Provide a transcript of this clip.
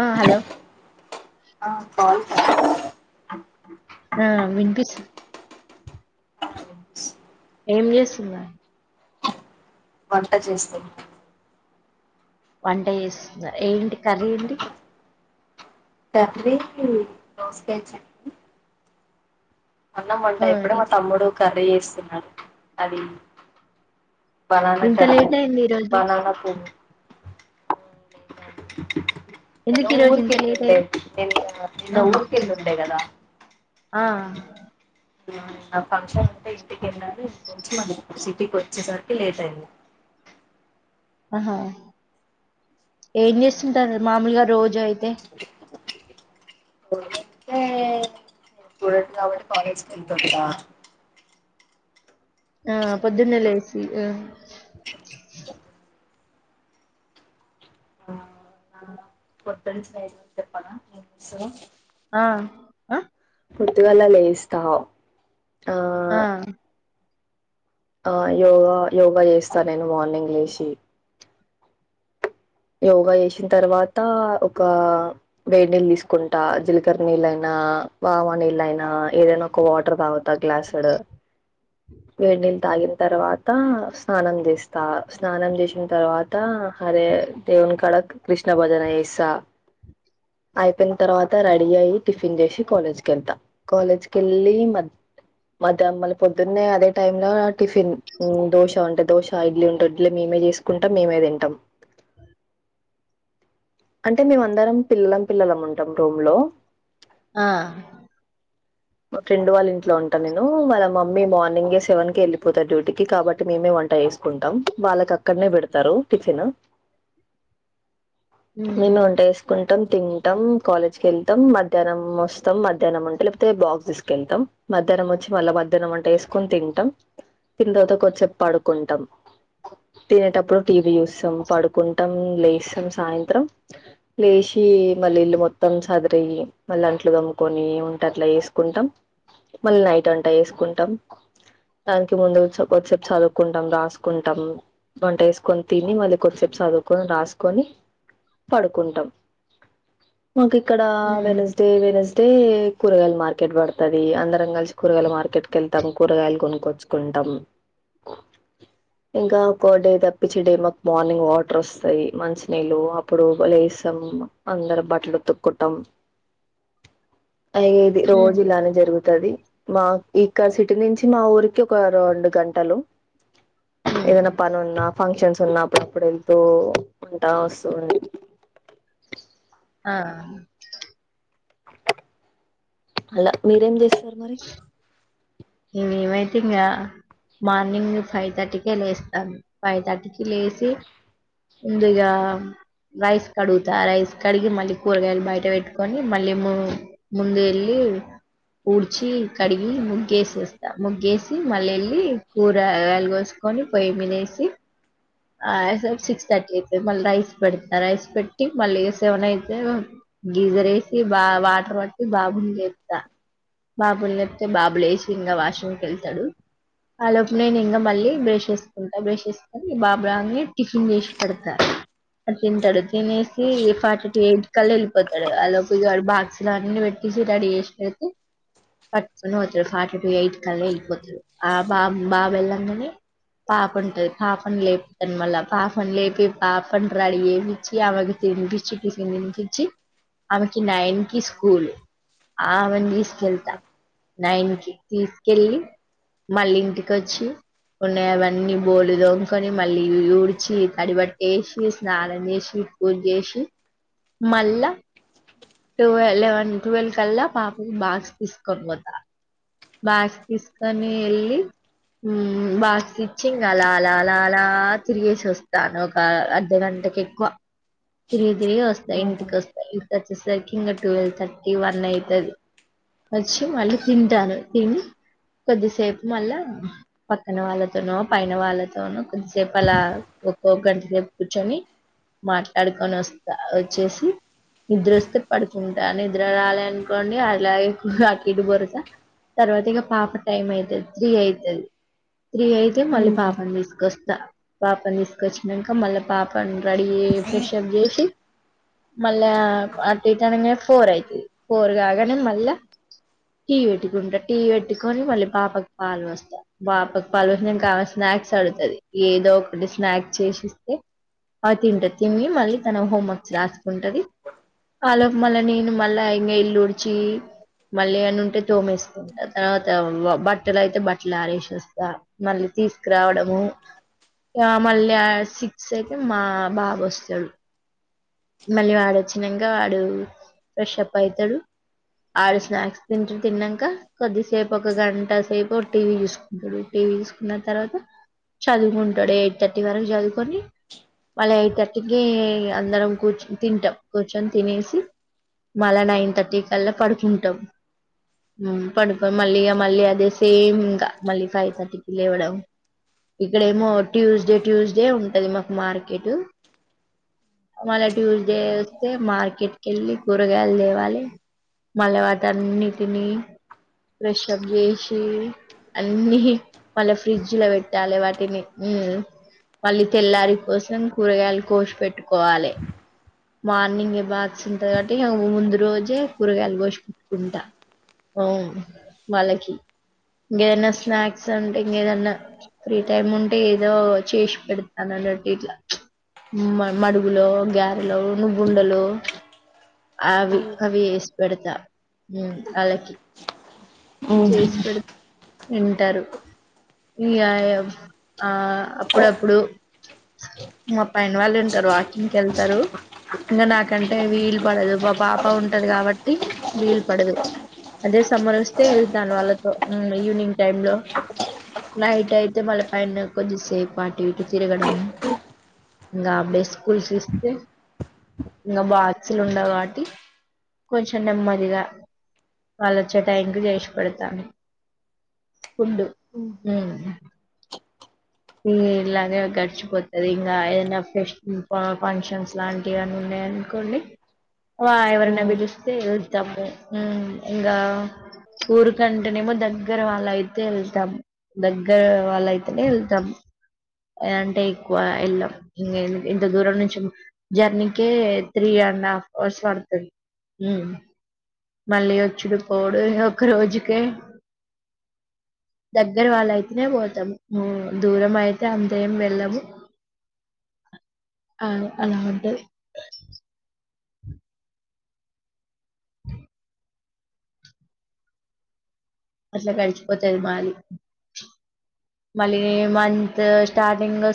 ఆ హలో ఆ కాల్ ఆ వినిపిస్తు ఏం చేస్తున్నారు వంట చేస్తున్న వంట చేస్తుందా ఏంటి కర్రీ ఏంటి కర్రీ దోసకాయ చట్నీ అన్నం వొండా ఆ! ఇప్పుడే ఇ మా తమ్ముడు కర్రీ చేస్తుండు అది బనానా ఇంత కర్రీ లేట్ అయింది ఈరోజు. బనానా ఫ్రై ఎందుకు ఈరోజు ఊరికి ఇంత లేట్ అయింది? ఎల్లుండి నేను నిన్న ఆ! ఊరికి ఎల్లుండి కదా ఆ ఆ ఫంక్షన్ ఉంటే ఇంటికి వెళ్ళాలి వోచి సిటీకి వచ్చేసరికి లేట్ అయింది ఆహా ఏం చేస్తుంటారు మామూలుగా రోజు జో యితే రోజు అయితే స్టూడెంట్ కాబట్టి కాలేజీకి వెళ్తుంటా ఆ పొద్దున్నె లేసి ఆ ఆ పొద్దునుంచి నైట్ వరకు చెప్పనా వర్క్ ఆ పొద్దుగాల లేయిస్తావు ఆ ఆ యోగా యోగా చేస్తా నేను మార్నింగ్ లేసి యోగా చేసిన తర్వాత ఒక వేడి నీళ్ళు తీసుకుంటా జీలకర నీళ్ళ అయినా ఆ బావా నీళయినా ఏదైనా ఒక వాటర్ తాగుతా గ్లాసుడు వేడి నీళ్ళు తాగిన తర్వాత స్నానం చేస్తా స్నానం చేసిన తర్వాత అరే దేవుని కాడ కృష్ణ భజన చేస్తా అయిపోయిన తర్వాత రెడీ అయి టిఫిన్ చేసి కాలేజ్ క వెళ్తాం కాలేజ్కివెళ్ళి మ మధ్య మమ్మల్ని పొద్దున్నే అదే టైం లో టిఫిన్ దోశ ఉంటయి దోశ ఇడ్లీ ఉంటు ఇడ్లీ మీ చేసుకుంటా మేమే తింటాం అంటే మేమ అందరం పిల్లం పిల్లలము ఉంటాం రూమ్ లో ఆ ఫ్రెండ్ వాళ్ళ ఇంట్లో ఉంటను నేను వాళ్ళ మమ్మీ మార్నింగ సెవెన్ కే వెళ్ళిపోతాది డ్యూటీకి కాబట్టి మేమే వంట వంట చేసుకుంటాం వాళ్లకు అక్కడనే పెడతారు టిఫిన్ హ్మ్. మేము వంట వేసుకుంటాం తింటాం కాలేజ్ క వెళ్తాం మధ్యాహ్నం వస్తాం మధ్యాహ్నం వంటలే తే బాక్స్ తీసుకెళ్తాం మధ్యాహ్నం వచ్చి మళ్ళా మధ్యాహ్నం అంటే వేసుకొని తింటాం తినిన తర్వాత కొద్దిసేపు పడుకుంటాం తినేటప్పుడు టీవీ చూస్తాం పడుకుంటాం లేస్తాం సాయంత్రం లే సి మళ్ళీ ఇల్లు మొత్తం సదిరి మళ్ళ అట్లు తోముకొని ఉ ట అట్లా వేసుకుంటాం మళ్ళీ నైట్ వంటా వేసుకుంటాం దానికి ముందు కొద్దిసేపు చదువుకుంటాం రాసుకుంటాం వంట వేసుకొని తిని మళ్ళీ కొద్దిసేపు చదువుకొని రాసుకొని పడుకుంటాం మాకు ఇక్కడ హ్మ్. వెనస్డే వెనస్డే కూరగాయలు మార్కెట్ పడుతుది అందరం కలిసి కూరగాయల మార్కెట్ కే వెళ్తాం కూరగాయలు కొనుకొచ్చుకుంటాం ఇంకా ఒక డే తప్పిించి డే మాకు మార్నింగ్ వాటర్ వస్తాయి మంచినీళ్ళు అప్పుడు లే స్తం అందరు బట్టలు ఉతుక్కుంటాం అయ్యేది హ్మ్. రోజు ఇలానే జరుగుతుది మా ఇక్క సిటీ నుంచి మా ఊరికి ఒక రెండు గంటలు ఏదైనా హ్మ్. పని ఉన్నా ఫంక్షన్స్ ఉన్నా అప్పుడు వెళ్తూ ఉంటా వస్తూ ఉడి ఆ అలా మీరేం చేస్త మేము ఏం ంగ్ మార్నింగ్ ఫైవ్ థర్టీకే లేస్తాము ఫైవ్ థర్టీకి లేచి ముందిగా రైస్ కడుగుతా రైస్ కడిగి మళ్ళీ కూరగాయలు బయట పెట్టుకొని మళ్ళీ ము ముందు వెళ్ళి లీ ఊడ్చి కడిగి ముగ్గు వేసేసి ముగ్గేసి మళ్ళళ్ళి కూరగాయలు కోసుకొని పొయ్యి మీనేసి ఆ సిక్స్ థర్టీ అయితే మళ్ళీ రైస్ పెడత రైస్ పెట్టి మళ్ళీ సెవెన్ అయితే గీజర్ వేసి బా వాటర్ పట్టి బాబు నీ లేపుతా బాబులు లేపితే బాబులేచంగా వాశ్రుంకి వెళ్తడు ఆ లోపున ఇంకా మళ్ళీ బ్రష్ చేసుకుంటాారు బ్రష్ చేసుకొని బాబుాని టిఫిన్ చేసి పెడతారు తింటాడు తినేసి క్వార్టర్ టు ఎయిట్ క్క వెళ్ళిపోతాడు అ లోపు ఇ బాక్స్లు అన్నిీ పెటేసి రెడీ చేసిన పెతే పట్టుకొని పోతారు ఫార్టీ టు ఎయిట్ కల్ళ వెళ్ళిపోతారు ఆ బాబ బాబ వెళ్ళంగానే పాప పాప లేపి మల్లా పాపను లేపి పాపను రెడీ చేపించి రెడీ చేపించి తినిపించి ఆమెకి నైన్ కి స్కూల్ ఆమెను తీసుకు తీకెళ్తా నైన్ కి తీసుకెళ్ళి మల్లి ఇంటికిొచ్చి ఉన్నాయి అవన్నీ బోడు దొంగకొని మళ్ళీ ఊడ్చి తడిబట్ట వేసి స్నానం చేసి పూజ చేేశి మల్ల వ లెవెన్ ట్వెల్వ్ కల్లా పాపకి బాక్స్ తీసుకొని పోత బాక్స్ తీసుకొని వెళ్ళి బాక్స్ ఇచి ఇంక అలా అలా అలా అలా తిరిగేసి వస్తాను ఒక అర్ధగంట ఇంటకి ఎక్కువ తిరిగి తిరిగి వస్తాయి ఇంటికి వస్తాయి సకి ఇం ట్వెల్వ్ తర్టీ వన్ అయితుది వచ్చి మల్లా తింటను తిని కొద్దిసేపు మళ్ళా పక్కన వాళ్ళతోనో పైన వాళ్ళతోనో కొద్దిసేపు అలా ఒక్కొక్క గంట సేపు కూర్చొని మాట్లాడుకొని వస్తా వచ్చేసి నిద్రస్తే పడుతుంటా నిద్ర రాలేదు అనుకోండి అలా కాకిటు బొరుస తర్వాత ఇక పాప టైం అవుతుంది త్రీ అవుతుంది త్రీ అయితే మళ్ళీ పాపను తీసుకొస్తా పాపని తీసుకొచ్చినాక మళ్ళీ పాపని రెడీ ఫ్రెష్ప్ చేసి మళ్ళా అటిట్గా ఫోర్ అయితుది ఫోర్గాగానే మళ్ళ టీ పెట్టుకుంటా టీ పెట్టుకొని మళ్ళీ పాపకి పాలు వస్తా పాపకు పాలు వస్త నేను కావాల్సిన స్నాక్స్ అడుగుతది ఏదో ఒకటి స్నాక్స్ చేసిస్తే అ తింటది తివి మళ్ళీ తన హోంవర్క్ రాసుకొంటాది అలోపు మళ్ళ నీను మళ్ళ ఇల్లు ఊడ్చి మళ్ళీ అన్న ఉంటే తోమేస్తుంటా తర్వాత బట్టలు అయితే బట్టలు ఆరేసేస్తా మళ్ళీ తీసుకురావడము ఆ మళ్ళీ సిక్స్ అయితే మా బాబు వస్తాడు మళ్ళీ వాడు వచ్చినంక వాడు ఫ్రెష్ అప్ అయితాడు ఆడు స్నాక్స్ తింట తిన్నాక కొద్దిసేపు ఒక గంట సేపు టీవీ చూసుకుంటాడు తీసుకున్న తర్వాత చదువుకుంటాడు ఎయిట్ థర్టీ వరకు చదువుకొని మళ్ళీ ఎయిట్ థర్టీ కీ అందరం కూర్చొని తింటాం కూర్చొని తినేసి మళ్ళా నైన్ థర్టీ కల్లా పడుకుంటాం పడుకని మళ్ళీగా మళ్ళీ అదే సేమ్ ఇంకా మళ్ళీ ఫైవ్ థర్టీకి లేవడం ఇక్కడేమో ట్యూస్డే ట్యూస్డే ఉంటది మాకు మార్కెట్ మళ్ళ ట్యూస్డే వస్తే మార్కెట్ కి వెళ్ళి కూరగాయలు తేవాలి మల్లా వాళ్లనిటినీ ప్ర్రెషప్ చేసి అన్ని మళ్ళ ఫ్రిడ్జ్ లో పెట్టాలి వాటిని మళ్ళ తెల్లారి కోసం కూరగాయలు కోసిపెట్టుకోవాలి మార్నింగ్ బాక్స్ ఉంటది కాబట్టి ఇక ముందు రోజే కూరగాయలు కోసి పెట్టుకుంటా హా వాలకి ఇంకేదనా స్నాక్స్ అంటే ఇంకేదన్నా ఫ్రీ టైమ్ ఉంటే ఏదో చేసి పెడతాన లా మడుగులో గ్యాస్ లో నువ్వుండలో అవి అవి చే పెడతా అలకి ఉహు వింటారు ఇ ఆ అప్పుడప్పుడు మా పైన వాళ్ళు వింటారు వాకింగ్కి వెళ్తారు ఇంకా నాకంటే వీలు పడదు మా పాప ఉంటది కాబట్టి వీలు పడదు అదే సమ్మర్ వస్తే వెళ్తాను వాళ్ళతో ఈవినింగ్ టైమ్ లో నైట్ అయితే మళ్ళీ పైన కొద్దిసేపు అటు ఇటు తిరగడం ఇంకా అబ్బే స్కూల్ ఇస్తే ఇంకా బాక్సులు ఉండవు కాబట్టి కొంచెం నెమ్మదిగా వాళ్ళోచ్చే థ్యాంక్యూ ఫుడ్ చేసి పెడతా ఉండు ఉమ్ ఉమ్ ఇలాగే గడిచిపోతది ఇంకా ఏదైనా ఫస్ట్ ఫంక్షన్స్ లాంటివి అన్నాయి అనుకోండి ఆ హ్మ్. ఎవరైనా పిలుస్తే తము ఉమ్ ఇంకా ఊరికంటేనేమో దగ్గర వాళ్ళ అయితే వెళ్తాం దగ్గర వాళ్ళయితేనే వెళ్తాం అంటే ఎక్కువ వెళ్ళం ఇంత దూరం నుంచి జర్నీకే త్రీ ఇ నాకోసం అరుస్తది ఉమ్ మళ్ళీ వచ్చుడు పోడు ఒక రోజుకే దగ్గర వాళ్ళు అయితేనే పోతాం దూరం అయితే అంతే వెళ్ళాము అ అలా ఉంటది అట్లా గడిచిపోతారు బాలి మళ్ళీ మంత్ స్టార్టింగ్